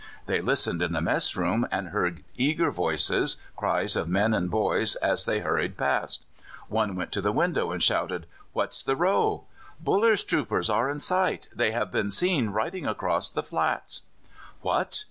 They listened in the mess room, and heard eager voices, cries of men and boys as they hurried past. One went to the window and shouted: "What's the row?" "Buller's troopers are in sight; they have been seen riding across the flats!" What!